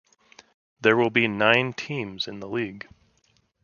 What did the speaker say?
There will be nine teams in the league.